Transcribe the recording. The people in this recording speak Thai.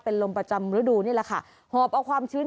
เป็นลมประจำฤดูนี่แหละค่ะหอบเอาความชื้น